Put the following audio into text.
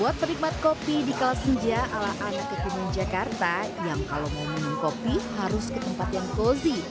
tapi di kalasinja ala anak kekunung jakarta yang kalau mau minum kopi harus ke tempat yang cozy